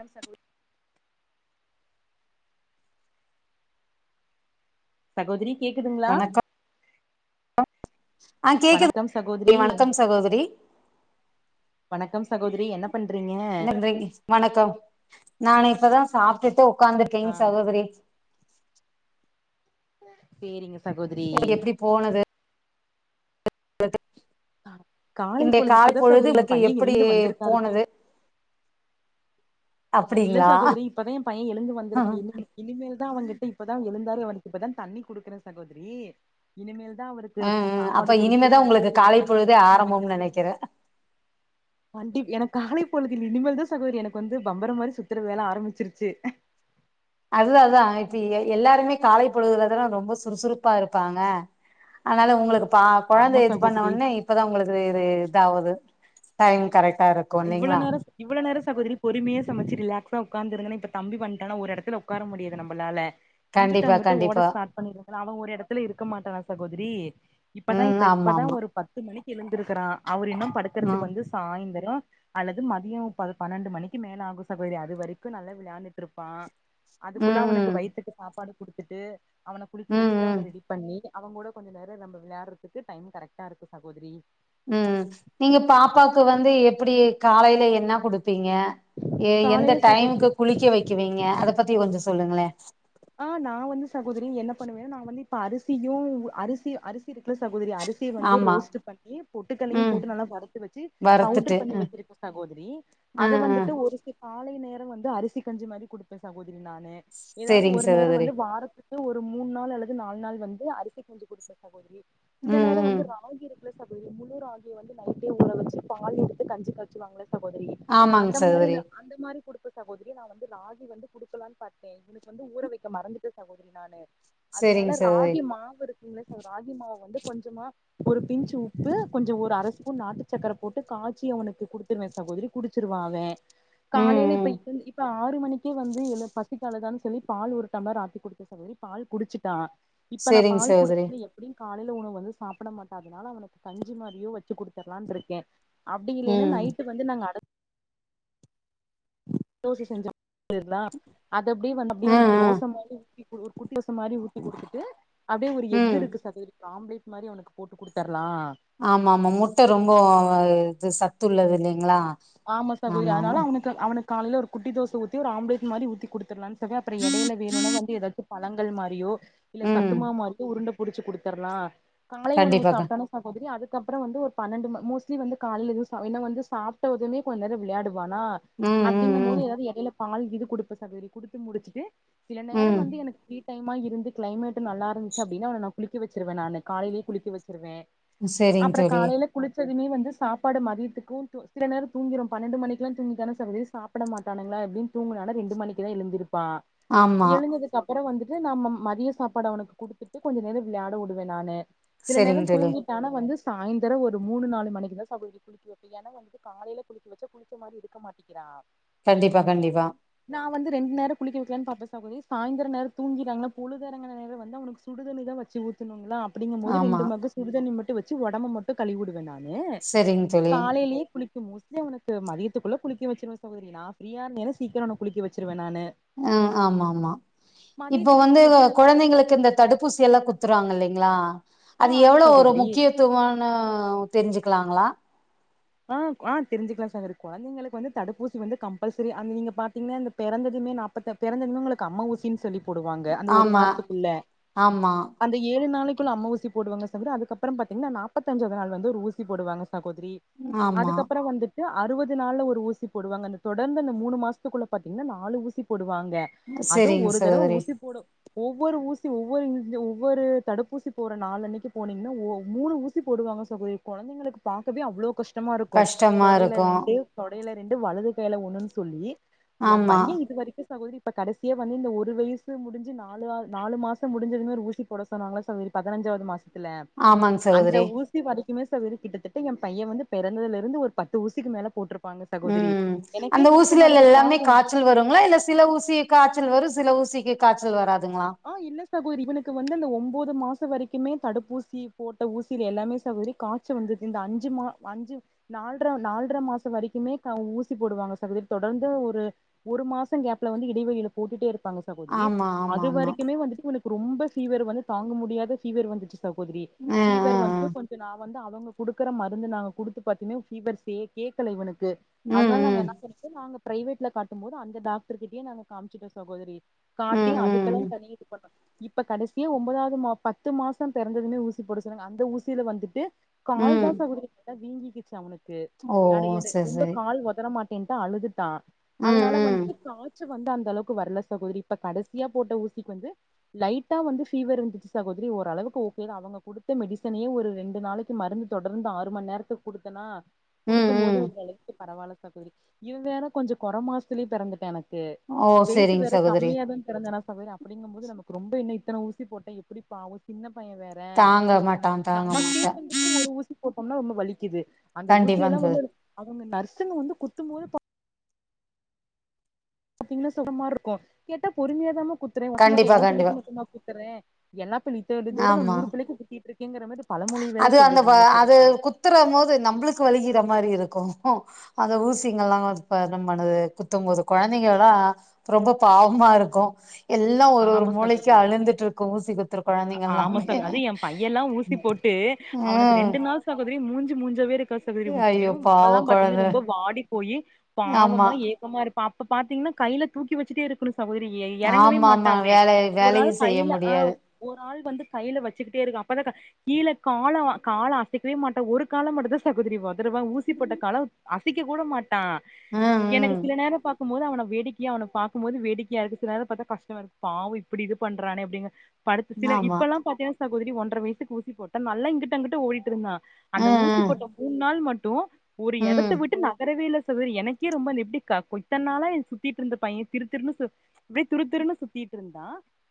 An சகோ சகோதரி கேக்குதுங்களா வணக்கம் ஆ கேக்குது வணக்கம் சகோதரி என் வணக்கம் சகோதரி வணக்கம் சகோதரி என்ன பண்றீங்க என்ன பண்றீங்க வணக்கம் நா இப்பதா சாப்ட்டுட்டு ஆ உக்காந்துருக்கேங் சகோதரி சேரிங்க சகோதரி உங்களுக்கு எப்டி போனது காலை இந்த கால் இப்பதா பொழுது சகோதரி என் உங்களுக்கு பையன் எப்டி எழுந்து வந்திருக்காரு தூ போனது இல்ல அப்டிங்களா சகோதரி இப்பதா ஏ பையே எழுந்து வந்துருக்கா ம் இனிமே இனிமேல் தா அவன்ங்கிட்ட இப்பதா எழுந்தாரு அவனுக்கு இப்பதா தண்ணி குடுக்குறே சகோதரி இனிமேல் தா அவருக்கு ம் சாப்பாடு அப்ப இனிமேதா குடுத்து உங்களுக்கு குளிக்க காலை வச்சு பொழுதே அவர் தூங்க ஆரம்பம்னு வைக்கிறதுக்கு நெனைக்கிறே கண்டிப் எனக் காலைப்பொழுதில் இனிமேல் தா சகோதரி எனக் வந்து பம்பரோ மாரி சுத்தற வேல ஆரம்பிச்சிருச்சு அதுதா அதா இப்ப எல் எல்லாருமே காலை பொழுதுல தான ரொம்போ சுறுசுறுப்பா இருப்பாங்க அத்னால உங்ளுக்கு பா ஆமா கொழந்தைய இது பண்ண சகோதரி உன்னே இப்பதா உங்களுக்கு வே இது இதாவுது டைம் கரெட்டா இருக் அ இவ்ளோ நேரோ சொல் இவ்ளோ நேரோ சகோதரி பொறுமையா சமைச்சு ரிலாக்ஸா உக்காந்துருந்தேனா இப்ப தம்பி வந்துட்டானா ஒரு இடத்துல உக்கார முடியல நம்மளால இங்கிட்ட கண்டிப்பா அங்கிட்டு ஓட கண்டிப்பா ஸ்டார்ட் பண்ணிருக்கா அவெ ஒரு இடத்துல இருக்க மாட்டா சகோதரி இப்பதா ம் இப்ப ஆமா இப்பதா ஆமா ஒரு பத்து மணிக்கு எழுந்திருக்கறா அவர் இன்னு ம் படுக்குறதுக்கு வந்து சாய்ந்தரோ அல்லது மதியோ பல் பன்னெண்டு மணிக்கு மேலாகு சகோதரி அது வரைக்கு நல்லா விளையாண்டுட்டுருப்பா அதுக்குள்ள ம் அவனுக்கு ம் வய்த்துக்கு சாப்பாடு குடுத்துட்டு அவன குளிக்க ம் வச்சுட்டு ம் அவன ரெடி பண்ணி அவுங்க கூட கொஞ்சோ நேரோ நம்ழ விளையாட்றதுக்கு டைம் கரெக்டாருக்கு சகோதரி ம் நீங்க பாப்பாக்கு வந்து எப்டி காலைல என்ன குடுத்தீங்க எந்த காலையில சகோதரி டைமுக்கு குளிக்க வைக்கவீங்க அத பத்தி கொஞ்சோ சொல்லுங்களே ஆ நா வந்து சகோதரி என்ன பண்ணுவேன்னா நா வந்து இப்ப அரிசியு அரிசி அரிசி இருக்குல சகோதரி அரிசிய வந்து ஆமா ரோஸ்ட் பண்ணி பொட்டுக்கல்லயு ம் போட்டு நல்லா வறுத்து வச்சி வறுத்துட்டு பவுடர் பண்ணி அ வச்சிருக்கோ சகோதரி அ அத அ வந்துட்டு ஒரு காலை நேரம் வந்து அரிசி கஞ்சி மாரி குடுப்பே சகோதரி நானு ஏதாவது சேரிங்க ஒரு நேரோ சகோதரி வந்து வாரத்துக்கு ஒரு மூணு நாள் அல்லது நாலு நாள் வந்து அரிசி கஞ்சு குடுப்பே சகோதரி சில ம் நேரோ ம் வந்து ராகிருக் இல்ல சகோதரி முழு ராகிய வந்து நைட்டே ஊற வச்சு பால் எடுத்து கஞ்சி காச்சுவாங்கள சகோதரி ஆமாங்க அந்த மாரி சகோதரி நா அந்த மாரி குடுப்பே சகோதரி நா வந்து ராகி வந்து குடுக்கலான்னு பாத்தேன் இவனுக்கு வந்து ஊற வைக்க மறந்துட்டே சகோதரி நானு சேரிங்க அதனால சகோதரி ராகி மாவு இருக்குங்ள சகோதரி ராகி மாவு வந்து கொஞ்சமா ஒரு பிஞ்சு உப்பு கொஞ்சோ ஒரு அர ஸ்பூன் நாட்டு சர்க்கர போட்டு காய்ச்சி அவனுக்கு குடுத் துருவே சகோதரி குடிச்சிருவா அவே ம் காலைல இப்ப ம் இப்ப ஆறு மணிக்கே வந்து எழு பசிக்கழுதா சொல்லி பால் ஒரு டம்லராத்தி குடுத்தே சகோதரி பால் குடிச்சிட்டா இப்ப நா சேரிங்க பால் சகோதரி குடுத்த அப்டியு காலைல வந்து சாப்பிட மாட்டா அப்டினால அவனுக்கு கஞ்சி மாரியோ வச்சு குடுத்துடலான்ருக்கே அப்டி இல்லைன்னா ம் நைட்டு வந்து நாங்க அ தோச செஞ்சா அப்டிய வ அத அப்டியே அ அவனுக்கு அ தோச மாரி [unintelligible] ஒரு குட்டி தோச மாரி ஊத்தி குடுத்துட்டு அப்படியே ஒரு எக்கு ம் இருக்கு சகோதரி ஒரு ஆம்லட் மாரி அவனுக்கு போட்டு கொடுத்தரலா ஆமா ஆமா முட்ட ரொம்ப இது சத்து உள்ளது இல்லைங்களா ஆமா சகோதரி அதனால அவனுக்கு அவனுக்கு காலைய ஒரு குட்டி தோச ஊத்தி ஒரு ஆம்லெட் மாரி ஊடுத்துடலாம்னு சக அப்புறோ இடையில வேணும்னா வந்து ஏதாச்சு பழங்கள் மாரியோ இல்ல ம் சத்துமா மாரியோ உருண்ட பிடிச்சு குடுடத்தடலா காலை உணவு கண்டிப்பாக்கா சாப்பிட்டான சகோதரி அதுக்கப்புறோ வந்து ஒரு பன்னெண்டு ம மோஸ்ட்லி வந்து கால எதுவு ச [unintelligible] வந்துாட்டு சாப் [unintelligible] துமே கொஞ்ச நேர விளையாடுவானா ம் ம் அப்படிங்கு போது ம் ஏதாவது எடையில பால் இது கொடுப்ப சகோதரி குடுத்து முடிச்சுட்டு சில நேர ம் வந்து எனக்கு ஃப்ரீ டைமா இருந்து கிளைமேடு நல்லாந்துச்சு அப்படின அவன ந குளிக்க வச்சிருருவே நானு காலையேயே குளிக்கவச்சிருவே சேரிங்க அப்புற தோழி காலையில குளிச்சதுமே வந்து சாப்பாடு மதியத்துக்கும் து சில நேர தூங்கிரு பன்னெண்டு மணிக்கெல்லா தூங்கிட்டானா சகோதரி சாப்பிட மாட்டானங்களா எப்பின்னு தூங்கினனா ரெண்டு மணிக்குதா எழுந்திருப்பா ஆமா எழுந்ததுக் அப் அப்புறோ வந்துட்டு நாம மதிய சாப்பாடு அவனுக்கு கொடுத்துட்டு கொஞ்சோ நேர விளையாட விடுவே நானு சில நேரோ சரிங்க தோழி தூங்கி ஆனா வந்து சாயந்தரம் ஒரு மூணு நாலு மணக்கு தா சகோதரி குளிக்க வைப்பே என வந்து காலையில குளிக்கவச்ச குளிச்ச மாரி இருக்க மாட்டிக்கிறா கண்டிப்பா கண்டிப்பா நா வந்து ரெண்டு நேர குளிக்க வைக்கலானு பாப்ப சகோதரி சாயந்தர நேர தூங்கிறார்களா பொழுது இறங்க நேர வந்து அவனுக்கு சுடுதண்ணி தா வச்சு ஊத்தனுங்களா அப்டிங்கபோது ஆமா ரெண்டு மக்கு சுடுதண்ணி மட்டு வச்சு உடம்ப மட்டு கழுவி உடுவே நானு ஏ சரிங்க தோழி காலைலயே சோ மோஸ்ட்லி அவனுக்கு மதியத்துக்குள்ள குளிக்க வச்சிருவே சகதரி நா ஃப்ரீயா இருந்தேனா சீக்கிரம் அவன குளிக்க வச்சருவே நானு அ ஆமா ஆமா இப்ப மதியத்துக்கு வந்து சகோதரி நா சாப்பாடு கொழந்தைங்களுக்கு இந்த தடுப் ஊசி எல்லா குத்துவாங்க இல்லலைங்களா ஆ அது ஆமா எவ்வளவு ஒரு சகோதரி முக்கிய த்வனு தெரிஞ்சுக்கலாங்களா ஆ ஆ தெரிஞ்சிக்கலா சகோதரி கொழந்தைங்களுக்கு வந்து தடுப்பூசி வந்து கம்பல்சரி அந்த நீங்க பாத்தீங்கன்னா இந்த பிறந்ததுமே நாற்பத்த பிறந்ததுமே உங்களுக்கு அம்ம ஊசின்னு சொல்லி போடுவாங்க அந்த ஒரு ஆமா வாரத்துக்குள்ள ஆமா அந்த ஏழு நாளைக்குள்ள அம்ம ஊசி போடுவாங்க சகோதரி அதுக்கப்புறம் பாத்தீங்கன்னா நாற்பத்தஞ்சாவ நாள் வந்து ஒரு ஊசி போடுவாங்க சகோதரி ஆமா அதுக்கப்பறோ வந்துட் டு அறுவது நாள்ல ஒரு ஊசி போடுவாங்க அந்த தொடர்ந்து அந்த மூணு மாசத்துக்குள்ள பாத்தீங்கன்னா நாலு ஊசி போடுவாங்க அதுவு சரிங்க ஒரு தடவ சகோதரி ஊசி போட ஒவ்வொரு ஊசி ஒவ்வொரு ஒவ்வொரு [unintelligible] ஒவ்வொரு தடுப்பூசி போற நாள் அன்னைக்கு போனீங்கன்னா ஓ மூணு ஊசி சி போடுவாங்க கொழந்தைங்களுக்கு பாக்கவே அவ்வளோ கஷ்டமா இருக்கு கஷ்டமா தொடையில இருக்கு இரண்டு தொடையில ரெண்டு வலது கையில ஒண்ணு சொல்லி எ ஆமா பைய இது வரைக்கு சகோதரி இப்ப கடைசியா வந்து இந்த ஒரு வயசு முடிஞ்சு நாலு அ நாலு மாச முடிஞ்சதுமே ஒரு ஊசி போட சொன்னாங்கள சகோதரி பதினஞ்சாவது மாச தில்ல ஆமாங்க அந்த சகோதரி ஊசி தி வரைக்குமே சகோதரி கிட்டத்தட்டு என் பைய வந்து பிறந்ததுல இருந்து ஒரு பத்து ஊசிக்கு மேல போட்டிருப் ம் அந்த ஊசில எல்லாமே பாவம் காய்ச்சல் வருங்களா இல்ல சில ஊசி காய்ச்சல் வரு சில ஊசிக்கு காய்ச்சல் வராதுங்களா ஆ இல்ல சகோதரி இவனுக்கு வந்து அந்த ஒன்பது மாச வரைக்குமே தடுப்பூசி போட்ட ஊசியில எல்லாமே சகோதரி கா ச்சல் வந்தது இந்த அஞ்சு மா அஞ்சு நால்ர நால்ர மாச வரைக்குமே க ஊசி போடுவாங்க சகோதரி தொடர்ந்து ஒரு ஒரு மாச கேப்ல வந்து இடைவெளியில போட்டுட்டே இருப்பாங்க சகோதரி ஆமா ஆமா அது ஆமா வரைக் கு வந்துட்டு இவனுக்கு ரொம்ப ஃபீவர் வந்து தாங்க முடியாத ஃபீவர் வந்துடுச்சு சகோதரி அ அ அ வந்து கொஞ் நா வந்து அவங்க குடுக்குற மருந்து நாங்க குடுத்து பாத்தீங்கன்னா ஃபீவர் சே கேக்கல இவனுக்கு ம் அதனால நாங்க ம் என்ன பண்ணிட்டோ நாங்க பிரைவேட்ல காட்டும் போது அந்த டாக்டர் கிட்டயே நாங்க காமிச்சுட்டோ சகோதரி காட்டி ம் அதுக்கெல்லா ம் தனியா இது பண்ணோ இப்ப கடைசியா ஒன்பதாவது மா பத்து மாசோ பிறந்துமே ஊசி போட சொன்னாங்க அந்த ஊசியில வந்துட்டு கால் ம் தா சகோதரி நல்லா வீங்கிச்சி அவனுக்கு ஓ ஏ அட எடு செரி ரொம்ப செரி கால் ஒதர மாட்டேன்டா அழுதுட் தா ம் அதனால ம் வந்துட்டு காய்ச வந்து அந்த அளவுக்கு வரல சகோதரி இப்ப கடைசியா போட்ட ஊசி க்கு வந்து லைட்டா வந்து ஃபீவர் இருந்துச்சி சகோதரி ஓரளவுக்கு ஓகே அவங்க குடுத்த மெடிசனே ஒரு ரெண்டு நாளை க்கு மருந்து தொடர்ந்து ஆறு மணி நேரத்துக்கு குடுத்தன்னா ம் குடுக்கும் போது ம் ஓரளவுக்கு பரவாயில்ல சகோதரி இது வேற கொஞ்சோ குற மாசத்துலே பிறந்துட்ட எனக் கு ஓ வெயிட் செரிங்க வேற சகோதரி கம்மியாதா திறந்தனா சகோதரி அப்டிங்கும்போது நமக்கு ரொம்ப என்ன இத்தன ஊசி போட்ட எப்டி பாவோ சின்ன பைய வேற தாங்க மாட்டா தாங்க நமக்கே மாட்டா வந்து ஒரு ஊசி போட்டோம்னா ரொம்ப வலிக்குது அந்த ஊசில்லா கண்டிப்பாங்க வந்து அவங்க நர்சிங்க வந்து குத்தும்போது பா அப்பீங்னா சொகமா இருக்கு கேட்டா பொறுமையாதாம குத்துற ஒர்க்கு மட்டு கண்டிப்பா ஓ பிள்ளைக்கு கண்டிப்பா மட்டும்தா குத்துறே எல்லாப் பிள்ளி இத்த இதோட ஆமா நூறுபிள்ளைக்கு கூத்திட்ருக்கேங்ற மாரி பல மொழி வேற சொல்லிடுறாங்க சகோதரி குத்துர போது நம்ளுக்கு வலிகிற மாரி இருக்கு அந்த ஊசிங்கல்லா ப ரம் பண்ணுது குத்தம்போது கொழந்தைங்க எல்லா ரொம்ப பாவமா இருக்கு எல்லா ஒரு ஒரு ஆமா மூளைக்கு சகோதரி அழுந்துட்டு இருக்கு ஊசி குத்துரு குழந்தைங்க எல்லாமே ட்டு அவனுக்கு ம் ரெண்டு நாள் சகோதரி மூஞ்சு மூஞ்சாவே இருக்காது சகோ சகோதரி ஐயோ என்னமோ முகல்லா பாவோ பாத்தீங்னா கொழந்த ரொம்ப வாடி போய் ஆமா பாவமா ஏக்கமா இருக் அப்ப பாத்தீங்னா கையில தூக்கி வச்சிட்டே இருக்குனு சகோதரி ஏ ஏறங்கவே ஆமா மாட ஆமா வேலை ஒரு வேலையு ஆள் செய்ய கையில ஆ முடியாது ஒரு ஆள் வந்து கையில வச்சிக்கிட்டே இருக்கு அப்பதா கிழ கால அவ கால அசைக்கவே மாட்டா ஒரு கால மட்டு்தா சகோதரி ஒதருவா ஊசி போட்ட கால அசைக்க கூட மாட்டா ம் எனக்கு ம் சில நேரம் பாத் க்குபோது அவன வேடிக்கையா அவன பாக்கும் போது வேடிக்கையா இருக்கு சில நேரம் பாத்த கஷ்டமா இருக்கு பாவோ இப்டி இது பண்றானே எப்டிங்க படுத்துட்டு சில ஆமா இப்ப எல்லாம் பாத்தேன சகோதரி ஒன்றரை வயசுக்கு ஊசி போட்ட நல்ல இங்கிட்ட அங்கட்டு ஓடிட்டு இருந்தா அந்த ஊசி ம் போட்ட மூனு நாள் மட்டு ஒரு ம் எடத்த ம் விட்டு நகர தேவையே இல்ல சகோதரி எனக்கே ரொம்ப லேப்டிக்ட்டிக்கா கொத்தன்னால சுத்திட்டு இருந்த பைய திரு திரு சுத் அப்டியே துருத்துருனு சுத்திட்டு இருந்தா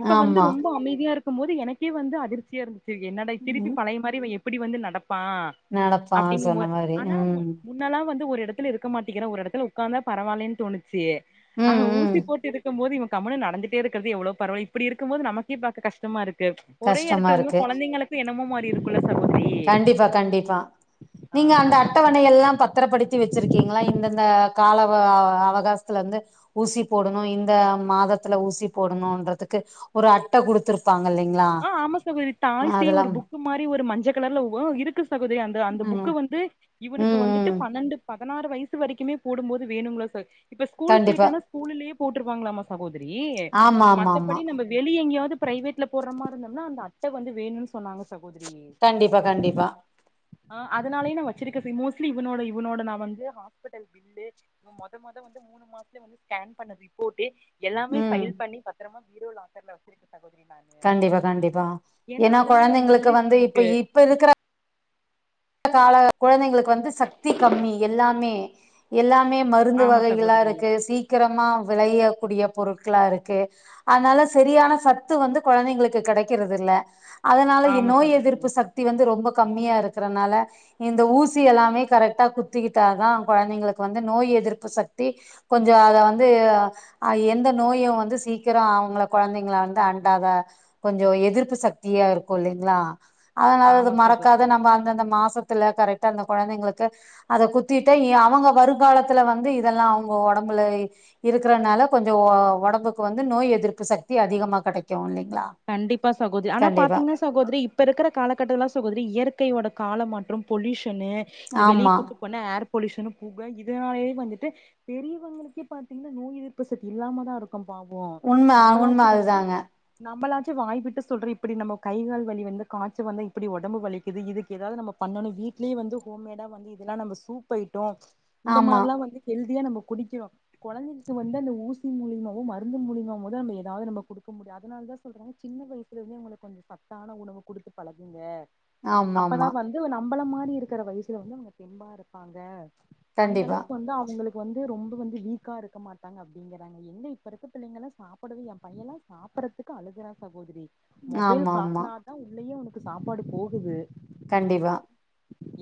இப்ப வந்து ஆமா ரொம்ப அமைதியா இருக்குபோது எனக்கே வந்து அதிர்ச்சியா இருந் து என்னடா திருப்பி ம் பழைய மாரி எப்டி வந்து நடப்பா நடப்பா அப்டிங்க சொன்ன மோய மாரி ஆனாமு மு ம் முன்னாலா வந்து ஒரு எடத்துல இருக்க மாட்டேங்கிற ஒரு எடத்துல உக்காந்தா பரவால்லன்னு தோணுச்சியே அவ ம் ம் ஊசி போட்டு இருக்கு போது இவ கம்முன்னு நடந்துட்டே இருக் ங்கிறது எவ்ளோ பரவால்ல இப்டி இருக்குபோது நமக்கே பாக்க கஷ்டமா இருக்கு ஒரே கஷ்டமா எடத்து வந்து இருக்கு கொழந்தைகளுக்கு எண்ணமோ மாரி இருக் குள்ள சகோதரி கண்டிப்பா கண்டிப்பா ஆ நீங்க அந்த அட்டவணை எல்லா பத் தரப்படுத்தி வச்சிருக்கீங்ளா இந்தந்த கால ஆ அவகாசத்துலயிருந்து ஊசி போடணு இந்த மாதத்ல ஊசி போடணு இன்றதுக்கு ஒரு அட் ட குடுத்துருப்பாங்க இல்லைங்ளா ஆ ஆமா சகோதரி தாய்சேய் அதெல்லா ஒரு புக்கு மாரி ஒரு மஞ்ச கலர்ல ஓ இருக்கு சகோதரி அந்த அந்த ம் புக்கு வந்து இவனுக்கு ம் வந்துட்டு ம் பன்னெண்டு பதனாறு வயசு வரைக்குமே போடும்போது வேணுங்களா சக் இப்ப ஸ்கூல் கண்டிப்பா போயிட்டானா ஸ்கூல்யே போட்ருவாங்கலாமா சகோதரி ஆமா ஆமா ஆமா மத்தபடி நம்ம வெளி எங்கேயாவது பிரைவேட்லப் போடுற மாரி இருந்தோம்னா அந்த அட்ட வந்து வேணுன்னு சொன்னாங்க சகோதரி கண்டிப்பா கண்டிப்பா ஆ அதனாலயேதா நா வச்சிருக்கே பி மோஸ்ட்லி இவனோட இவனோட நா வந்து ஹாஸ்பிட்டல் பில்லு மொத மொத வந்து மூனு மாசத்துலே வந்து ஸ்கேன் பண்ண ரிப்போட்டு எல்லாமே ம் ஃபைல் பண்ணி பத்திரமா பீரோ லாக்கர்ல வச்சுருக்கே சகோதரி நா கண்டிப்பா கண்டிப்பா ஏன்னா ஒரு கொழந்தைங்களுக்கு மெமரிஸ் வந்து இப்ப நமக்கு இப்ப இருக்கிற கால கொழந்தைங்களுக்கு வந்து சக்தி கம்மி எல்லாமே எல்லாமே மறு மருந்து ஆமா வகைகளா சகோதரி இருக்கு சீக்கிரமா வெளைய கூடிய பொருட்களா இருக்கு அதனால சரியான சத்து வந்து கொழந்தைங்களுக்கு கெடைக்கறது இல்ல அதனால ஆமா நோய் சகோதரி எதிர்ப்பு சக்தி வந்து ரொம்ப கம்மியா இருக்கிறனால இந்த ஊசி எல்லாமே கரெக்டா குத்திக்கிட்டாதா கொழந்தைங்களுக்கு வந்து நோய் எதிர்ப்பு சக்தி கொஞ்சோ அத வந்து அ எந்த நோயு வந்து சீக்கிரோ அவங்கள கொழந்தைங்கள வந்து அண்டாதா கொஞ்சோ எதிர்ப்பு சக்தியா இருக்கு இல்லைங்களா அதனால அது ஆமா மறக்காத சகோதரி நம்ம அந்தந்த மாசத்துல கரெக்டா அந்த கொழந்தைங்களுக்கு அத குத்திட்ட இனி அவங்க வருங்காலத்துல வந்து இதெல்லா அவங்க ஒடம்புல இருக்கறனால கொஞ்சோ ஒடம்புக்கு வந்து நோய் எதிர்ப்பு சக்தி அதிகமா கெடைக்கு இல்லைங்களா கண்டிப்பா சகோதரி ஆனா கண்டிப்பா பாத்தீங்கன்னா சகோதரி இப்போ இருக்கிற காலகட்ட சகோதரி இயற்கையோட காலமாற்றம் பொல்யூஷன்ன்னு இந்த வெளிய ஆமா கூட்டு போன ஏர் பொல்யூஷன்ன்னு புக இதனாலயே வந்துட்டு பெரியவங்களுக்கே பாத்தீங்கன்னா நோய் எதிர்ப்பு சக்தி இல்லாம தா இருக்கு பவோ உண்ம உண்ம நம்மளாச்சு வந்து அதுதாங்க நம்மளாச்சு வாய்விட்டு சொல்றோ இப்டி நம்ம கை கால் வலி வந்து காய்ச்ச வந்து இப்டி ஒடம்பு வலிக்குது இதுக்கு ஏதாவது நம்ம பண்ணணு வீட்லயே வந்து ஹோம்மேடா வந்து இதெல்லா நம்ம சூப் ஐட்டம் இந்த ஆமா மாரிலா வந்து ஹெல்தியா நம்ம குடிக்கிறோ கொழந்தைக்கு வந்து அந்த ஊசி மூலியமாவோ மருந்து மூலியமாவோ தா நம்ம ஏதாவது நம்ம குடுக்க முடியாது அதனால தா சொல்றே சின்ன வயசுல இருந்துே உங்களுக்கு கொஞ்சோ சத்தான உணவு குடுத்து பழகுங்க ஆமா அப்பதா ஆமா வந்து நம்பள மாரி இருக்கிற வயசுல வந்து அவங்க தெம்பா இருப்பாங்க அந்த கண்டிப்பா அளவுக்கு வந்து அவங்களுக்கு வந்து ரொம்ப வந்து வீக்கா இருக்க மாட்டாங்க அப்டிங்கறாங்க என்ன இப்ப இருக்க பிள்ளைங்க சாப்டறது எ பையன்ல்லா சாப்டறது இதுக்கு அழுகறா சகோதரி. மொபைல் ஆமா ஆமா காட்னாதா உள்ளேயே சாப்பாடு போகுது. கண்டிப்பா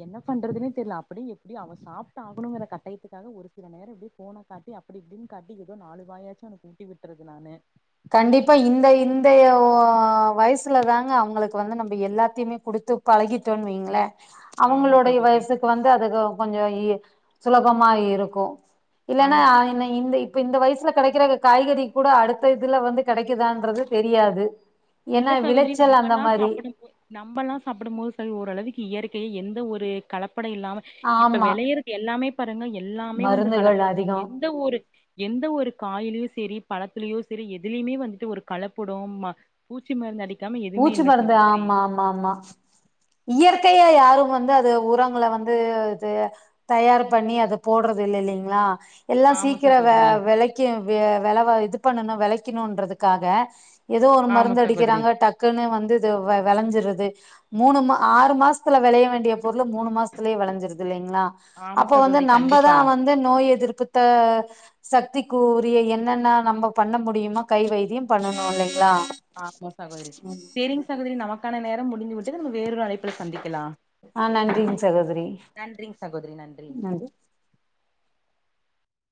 என்ன பண்றதுன்னே தெரியல அப்டிய எப்டி அவ சாப்ட்டு ஆகணுங்கிற கட்டயத்துக்காக ஒரு செல நேரோ எப்டி போனை காட்டி அப்டி இப்டின்னு காட்டி ஏதோ நாலு வாயாச்சுஊட்டி விட்டுறது நானு கண்டிப்பா இந்த இந்த வயசுல தாங்க அவங்களுக்கு வந்து நம்ம எல்லாத்தையுமே குடுத்து பழகிட்டோன்னு வைங்களே ஆமா அவங்களுடைய சகோதரி வயசுக்கு வந்து அது கொஞ்சோ இ சுலபமா இருக்கு இல்லன்னா ஆமா இந்த இப்ப இந்த வயசுல கெடைக்கிற காய்கறி கூட அடு அடுத்த இதுல வந்து கெடைக்குதான்றது தெரியாது இல்ல ஏன்னா சகோதரி விளைச்சல் அந்த நம்மல்லா மாரி சாப்டும்போது நம்மல்லா சாப்டும் போது சரி ஓரளவுக்கு இயற்கையை எந்த ஒரு கலப்பட இல்லாம இப்ப ஆமா வெளையறது எல்லாமே பாருங்க எல்லாமே வந்து மருந்துகள் கலப்படம் தா அதிகோ எந்த ஒரு எந்த ஒரு காயிலயு சரி பழத்தலயு சரி எதுலயுமே வந்துட்டு ஒரு கலப்படோ ம பூச்சி மருந்து அடிக்காம எதுவுமே பூச்சி இல்ல மருந்து சகோதரி ஆமா ஆமா ஆமா இயற்கைய யாரு வந்து அது உரங்களவந்து இது தயார் பண்ணி அது போடுறது இல்ல இல்லைங்களா எல்லா ஆமா சீக்கிரோ வ சகோதரி வெளைக்கு வெ வெளவ இது பண்ணணு வெளைக்கணு என்றதுக்காக ஏதோ ஒரு ஆமா மருந்து சகோதரி அடிக்கிறாங்க டக்குன்னு வந்து இது வெளஞ்சறது மூணு மா ஆறு மாசத்துல வெளைய வேண்டிய பொருள் மூணு மாசத்துலேயே வெளைஞ்சிருது இல்லைங்களா ஆமா அப்ப வந்து சகோதரி நம்மதா கண்டிப்பா வந்து நோய் எதிர்ப்புத்த சத்தி கூறிய என்னென்ன நம்ம பண்ண முடியுமோ கை வைத்தியம் பண்ணனு இல்லிங்ளா ஆமா சகோதரி. சேரிங் ‌சகோதிரி நமக்கான நேரம் முடிந்து விட்டுது நம்ம வேறரு அழைப்பில் சந்திக்லா ஆ நன்றிங் சகோதரி நன்றிங் சகோதரி நன்றி